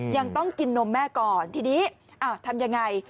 มันต้องกินนมแม่ก่อนทีนี้อ่ะทำอย่างไง